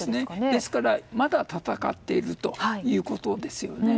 ですから、まだ戦っているということですよね。